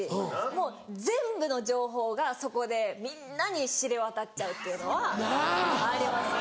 もう全部の情報がそこでみんなに知れ渡っちゃうっていうのはありますね。